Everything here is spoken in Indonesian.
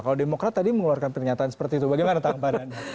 kalau demokrat tadi mengeluarkan pernyataan seperti itu bagaimana tanggapan anda